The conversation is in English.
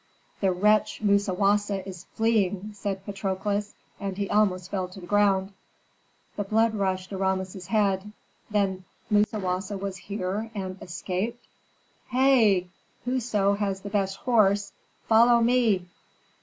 "The wretch Musawasa is fleeing!" said Patrokles, and he almost fell to the ground. The blood rushed to Rameses' head. Then Musawasa was here and escaped? "Hei! whoso has the best horse, follow me!"